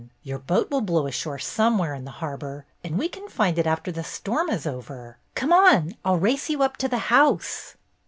Your boat will blow ashore some where in the harbor and we can find it after the storm is over. Come on, I'll race you up to the house."